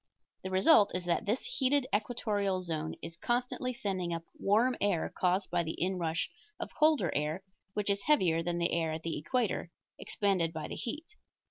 The result is that this heated equatorial zone is constantly sending up warm air caused by the inrush of colder air, which is heavier than the air at the equator, expanded by the heat.